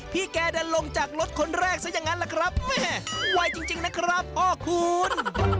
พี่ลงจากรถคนแรกซะอย่างนั้นแหละใจจริงพ่อคน